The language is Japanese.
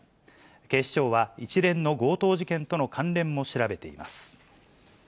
警視庁は、一連の強盗事件との関連も調べています。